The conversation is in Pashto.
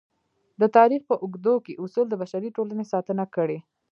د تاریخ په اوږدو کې اصول د بشري ټولنې ساتنه کړې.